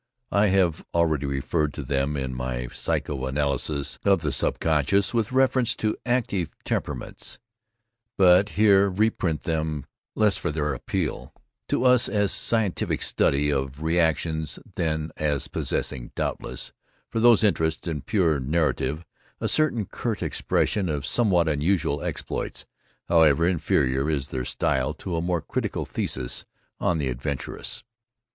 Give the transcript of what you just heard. I have already referred to them in my Psycho Analysis of the Subconscious with Reference to Active Temperaments, but here reprint them less for their appeal to us as a scientific study of reactions than as possessing, doubtless, for those interested in pure narrative, a certain curt expression of somewhat unusual exploits, however inferior is their style to a more critical thesis on the adventurous.)